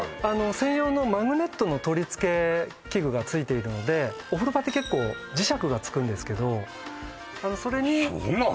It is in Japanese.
専用のマグネットの取り付け器具がついているのでお風呂場って結構磁石がつくんですけどそれにそうなの？